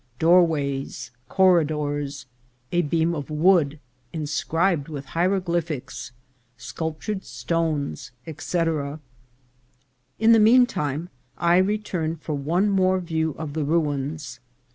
— Doorways. — Corridors. — A Beam of Wood, in scribed with Hieroglyphics.— Sculptured Stones, &c. IN the mean time I returned for one more view of the ruins.